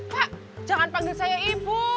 pak jangan panggil saya ibu